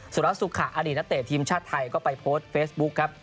สุรัสสุขะอดีตนักเตะทีมชาติไทยก็ไปโพสต์เฟซบุ๊คครับ